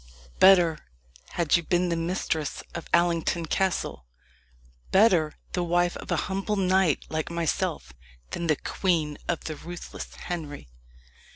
Better had you been the mistress of Allington Castle better the wife of a humble knight like myself, than the queen of the ruthless Henry."